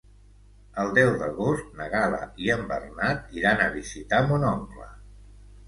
El deu d'agost na Gal·la i en Bernat iran a visitar mon oncle.